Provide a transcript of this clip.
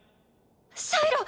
シャイロ！